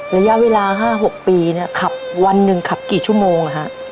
ระยะเวลา๕๖ปีเนี่ยขับวันหนึ่งขับกี่ชั่วโมง